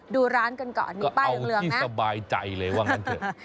ดูร้านกันก่อนมีป้ายที่สบายใจเลยว่างั้นเถอะ